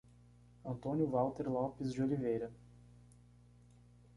Antônio Valter Lopes de Oliveira